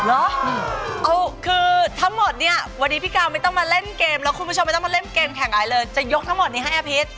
เอาคือทั้งหมดเนี่ยวันนี้พี่กาวไม่ต้องมาเล่นเกมแล้วคุณผู้ชมไม่ต้องมาเล่นเกมแข่งอะไรเลยจะยกทั้งหมดนี้ให้อาพิษ